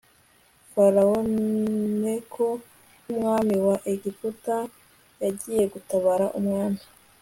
farawo neko h umwami wa egiputa yagiye gutabara umwami